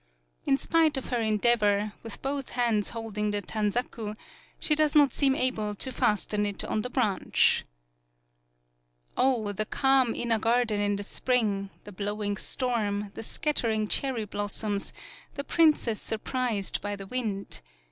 In spite of her en Ill PAULOWNIA deavor, with both hands holding the Tanzaku, she does not seem able to fasten it on the branch. O, the calm inner garden in the spring, the blowing storm, the scatter ing cherry blossoms, the princess sur prised by the wind!